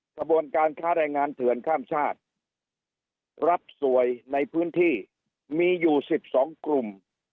ขบวนการค้าแรงงานเถื่อนข้ามชาติรับสวยในพื้นที่มีอยู่๑๒กลุ่ม